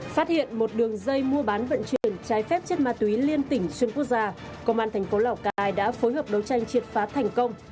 phát hiện một đường dây mua bán vận chuyển trái phép chất ma túy liên tỉnh xuyên quốc gia công an thành phố lào cai đã phối hợp đấu tranh triệt phá thành công